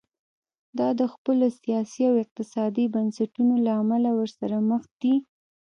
دا د خپلو سیاسي او اقتصادي بنسټونو له امله ورسره مخ دي.